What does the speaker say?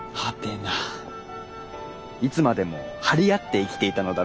いつまでも張り合って生きていたのだろうか。